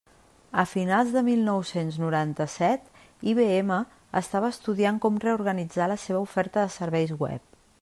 A finals de mil nou-cents noranta-set, IBM estava estudiant com reorganitzar la seva oferta de serveis web.